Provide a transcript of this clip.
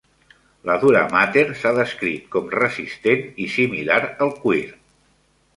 La duramàter s'ha descrit com "resistent" i "similar al cuir".